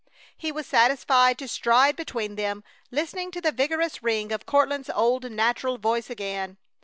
He was satisfied to stride between them, listening to the vigorous ring of Courtland's old natural voice again.